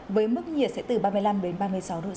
với mức nhiệt sẽ từ ba mươi năm đến ba mươi sáu độ c